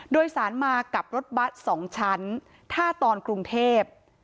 โดยสารมากับรถบัส๒ชั้นท่าตอนกรุงเทพ